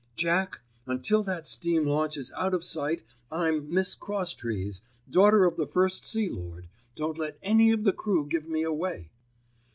"Jack, until that steam launch is out of sight I'm Miss Crosstrees, daughter of the First Sea Lord. Don't let any of the crew give me away."